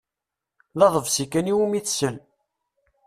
D aḍebsi kan iwumi tessal.